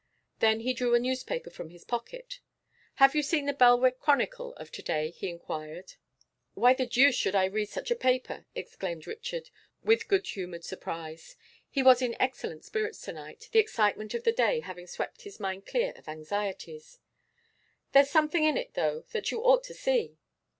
Then he drew a newspaper from his pocket. 'Have you seen the "Belwick Chronicle" of to day?' he inquired. 'Why the deuce should I read such a paper?' exclaimed Richard, with good humoured surprise. He was in excellent spirits to night, the excitement of the day having swept his mind clear of anxieties. 'There's something in it, though, that you ought to see.